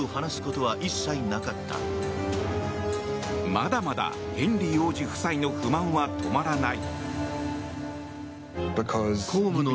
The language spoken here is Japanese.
まだまだヘンリー王子夫妻の不満は止まらない。